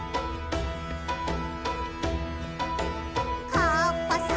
「カッパさん